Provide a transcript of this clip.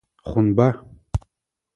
Хъунба?